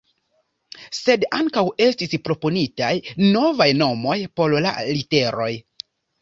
Sed ankaŭ estis proponitaj novaj nomoj por la literoj.